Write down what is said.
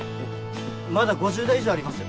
まだ５０台以上ありますよ。